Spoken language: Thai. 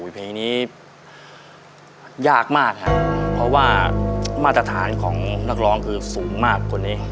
เพลงนี้ยากมากครับเพราะว่ามาตรฐานของนักร้องคือสูงมากกว่านี้